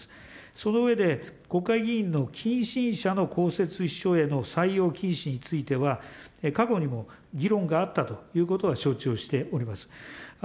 その上で、国会議員の近親者の公設秘書への採用禁止については、過去にも議論があったということは承知をしております。